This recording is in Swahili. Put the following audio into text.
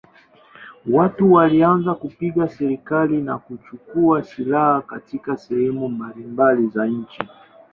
Watu walianza kupinga serikali na kuchukua silaha katika sehemu mbalimbali za nchi.